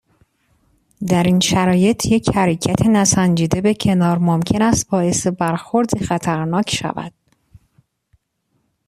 در این شرایط یک حرکت نسنجیده به کنار ممکن است باعث برخوردی خطرناک شود.